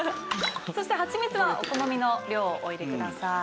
そしてはちみつはお好みの量お入れください。